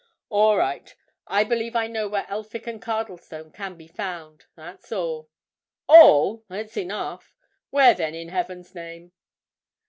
"All right. I believe I know where Elphick and Cardlestone can be found. That's all." "All! It's enough. Where, then, in heaven's name?"